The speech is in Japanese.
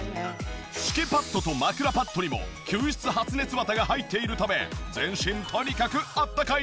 敷きパッドと枕パッドにも吸湿発熱綿が入っているため全身とにかくあったかいんです。